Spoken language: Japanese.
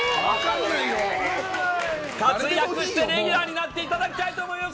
活躍してレギュラーになっていただきたいと思います。